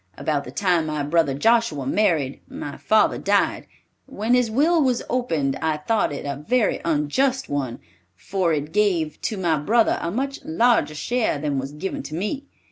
About the time my brother Joshua married, my father died. When his will was opened, I thought it a very unjust one, for it gave, to my brother a much larger share than was given to me.